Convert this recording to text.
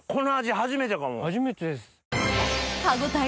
初めてです。